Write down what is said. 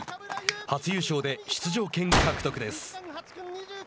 初優勝で出場権獲得です。